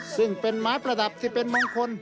ซึ่งเป็นไม้ประดับที่เป็นมงคล